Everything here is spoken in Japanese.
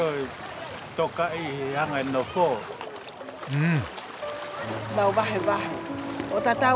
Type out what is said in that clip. うん。